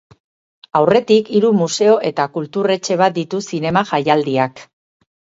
Aurretik hiru museo eta kultur etxe bat ditu zinema jaialdiak.